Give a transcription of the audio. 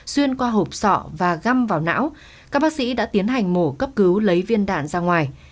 xuyên qua hộp sọ và găm vào não các bác sĩ đã tiến hành mổ cấp cứu lấy viên đạn ra ngoài